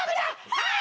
はい！